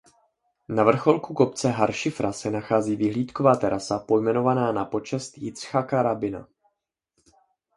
Na vrcholku kopce Har Šifra se nachází vyhlídková terasa pojmenovaná na počest Jicchaka Rabina.